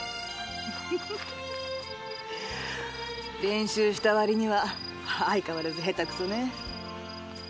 練習した割には相変わらずへたくそね。